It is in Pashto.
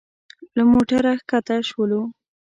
له موټره ښکته شولو.